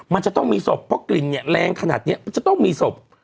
มันจะต้องมีศพเพราะกลิ่นเนี่ยแรงขนาดนี้จะต้องมีศพ